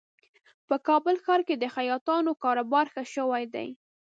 په کابل ښار کې د خیاطانو کاروبار ښه شوی دی